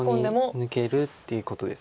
ここに抜けるっていうことです。